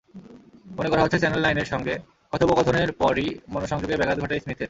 মনে করা হচ্ছে, চ্যানেল নাইনের সঙ্গে কথোপকথনের পরই মনঃসংযোগে ব্যাঘাত ঘটে স্মিথের।